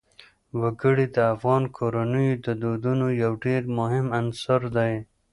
وګړي د افغان کورنیو د دودونو یو ډېر مهم عنصر دی.